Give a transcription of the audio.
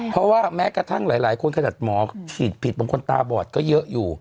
เพราะว่าแม้กระทั่งหลายคนขนาดหมอฉีดผิดบางคนตาบอดก็เยอะอยู่